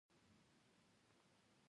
څېړنیزې سرچینې باید ځای پر ځای وای.